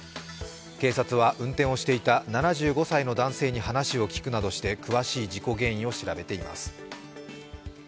警察は運転をしていた７５歳の男性に話を聞くなどして詳しい事故原因を調べています。